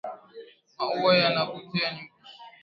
Maua yanavutia nyuki.